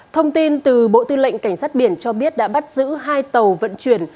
thông tin từ bộ tư lệnh cảnh sát biển cho biết đã bắt giữ hai tàu vận chuyển